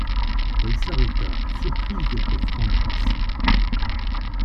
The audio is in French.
Elle s'arrêta, surprise d'être franche ainsi.